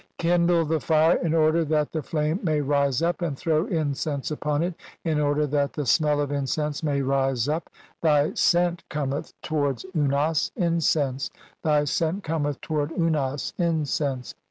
(484) "Kindle the fire in order that the flame may "rise up, and throw incense upon it in order that the "[smell of] incense may rise up. Thy scent cometh to "wards Unas, incense ; thy scent cometh toward Unas, "incense.